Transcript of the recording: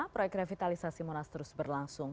proyek revitalisasi monas terus berlangsung